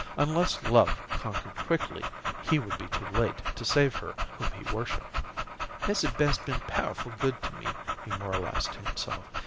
Unless love conquered quickly, he would be too late to save her whom he worshiped. "Missy Beth's been powerful good to me," he moralized to himself.